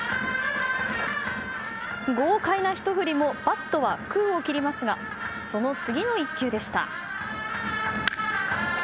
豪快なひと振りもバットは空を切りますがその次の１球でした。